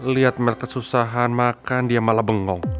lihat mereka kesusahan makan dia malah bengong